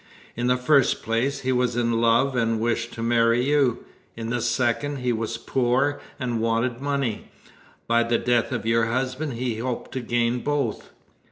"In the first place, he was in love, and wished to marry you; in the second, he was poor, and wanted money. By the death of your husband he hoped to gain both."